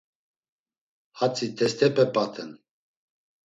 Hatzi testepe p̌aten.